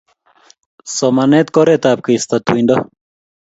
somanet ko oret ap keisto tuindo